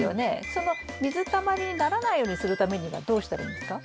その水たまりにならないようにするためにはどうしたらいいんですか？